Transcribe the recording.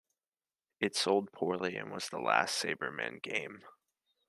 It sold poorly and was the last Sabreman game.